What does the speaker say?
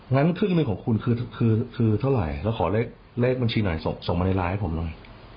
ครึ่งหนึ่งของคุณคือเท่าไหร่แล้วขอเลขบัญชีหน่อยส่งมาในไลน์ให้ผมหน่อย